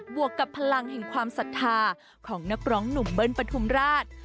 วกกับพลังแห่งความศรัทธาของนักร้องหนุ่มเบิ้ลปฐุมราช